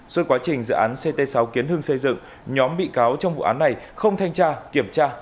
suốt quá trình dự án ct sáu kiến hưng xây dựng nhóm bị cáo trong vụ án này không thanh tra kiểm tra